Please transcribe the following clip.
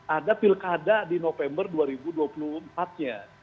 ada pilkada di november dua ribu dua puluh empat nya